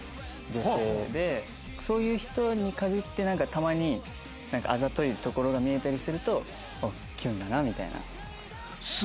そういう人に限ってたまにあざといところが見えたりするとあっキュンだなみたいな。